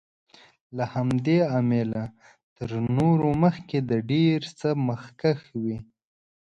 له همدې امله تر نورو مخکې د ډېر څه مخکښ وي.